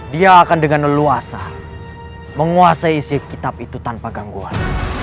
dia akan dengan leluasa menguasai isi kitab itu tanpa gangguan